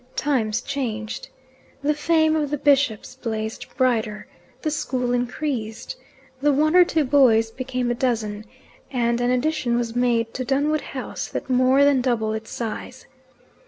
Times changed. The fame of the bishops blazed brighter, the school increased, the one or two boys became a dozen, and an addition was made to Dunwood House that more than doubled its size.